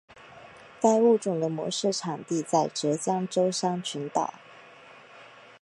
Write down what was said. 该物种的模式产地在浙江舟山群岛。